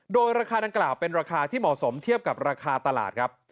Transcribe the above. โดยราคาดังกล่าวเป็นราคาที่เหมาะสมเทียบกับราคาตลาดครับ